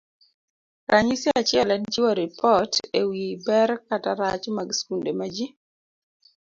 Ranyisi achiel en chiwo ripot e wi ber kata rach mag skunde ma ji